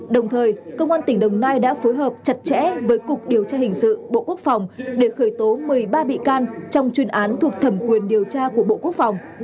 đồng thời công an tỉnh đồng nai đã phối hợp chặt chẽ với cục điều tra hình sự bộ quốc phòng để khởi tố một mươi ba bị can trong chuyên án thuộc thẩm quyền điều tra của bộ quốc phòng